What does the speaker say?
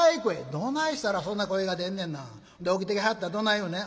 「どないしたらそんな声が出んねんな。で起きてきはったらどない言うねん」。